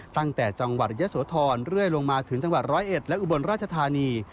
ตั้งแต่จังหวัดยะโสธรเรื่อยลงมาถึงจังหวัดร้อยเอ็ดและอุบลราชธานี